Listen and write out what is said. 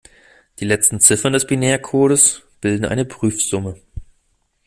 Die letzten Ziffern des Binärcodes bilden eine Prüfsumme.